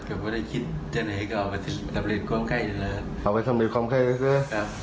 เอาไปดับเรียนความใครต่อนะเออ